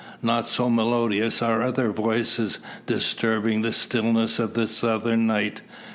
Not so melodious are other voices disturbing the stillness of the Southern night.